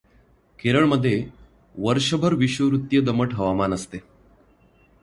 केरळ मध्ये वर्षभर विषुववृत्तीय दमट हवामान असते.